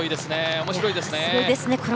面白いですね。